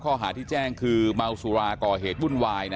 ข้อหาที่แจ้งคือเมาส์สุราเกาะเหตุ